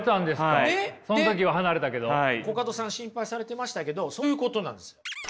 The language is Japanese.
コカドさん心配されてましたけどそういうことなんですよ。